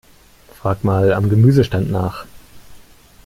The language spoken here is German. Frag mal am Gemüsestand nach.